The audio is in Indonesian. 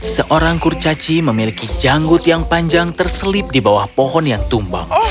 seorang kurcaci memiliki janggut yang panjang terselip di bawah pohon yang tumbang